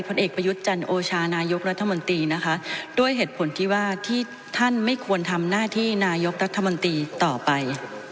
เอกประยุทธ์จันโอชานายกรัฐมนตรีนะคะด้วยเหตุผลที่ว่าที่ท่านไม่ควรทำหน้าที่นายกรัฐมนตรีต่อไป